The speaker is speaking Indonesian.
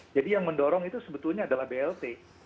jadi yang mendorong itu sebetulnya adalah blt